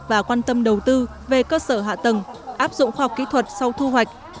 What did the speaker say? và quan tâm đầu tư về cơ sở hạ tầng áp dụng khoa học kỹ thuật sau thu hoạch